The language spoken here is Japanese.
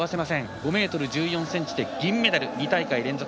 ５ｍ１４ｃｍで銀メダル２大会連続。